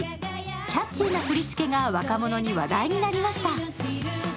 キャッチーな振り付けが若者に話題となりました。